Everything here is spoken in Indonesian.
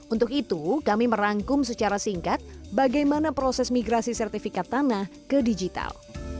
untuk itu kami merangkum secara singkat bagaimana proses migrasi sertifikat tanah ke digital